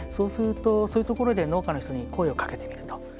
そういうところで農家の人に声をかけてみると。